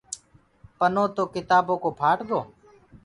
پنو تو ڪِتآبو ڪو ڦآٽ گو۔